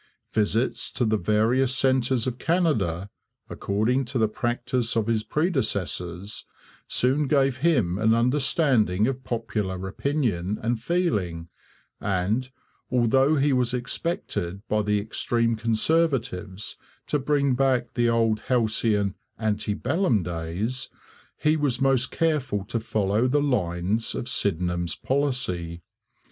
Visits to the various centres of Canada, according to the practice of his predecessors, soon gave him an understanding of popular opinion and feeling; and, although he was expected by the extreme Conservatives to bring back the old, halcyon, ante bellum days, he was most careful to follow the lines of Sydenham's policy.